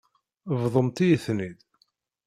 Bḍumt-iyi-ten-id.